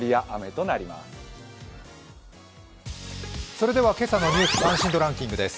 それでは今朝の「ニュース関心度ランキング」です。